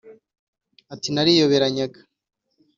Ati” Nariyoberanyaga